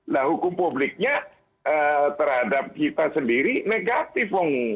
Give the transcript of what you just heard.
nah hukum publiknya terhadap kita sendiri negatif